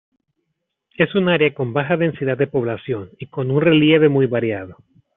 Es un área con baja densidad de población y con un relieve muy variado.